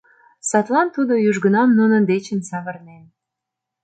Садлан тудо южгунам нунын дечын савырнен.